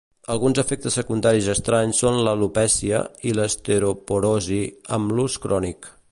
Alguns efectes secundaris estranys són l'alopècia i l'osteoporosi amb l'ús crònic.